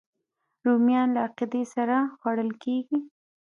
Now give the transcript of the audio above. رومیان له عقیدې سره خوړل کېږي